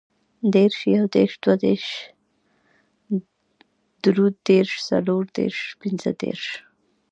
دېرس, یودېرس, دودېرس, درودېرس, څلوردېرس, پنځهدېرس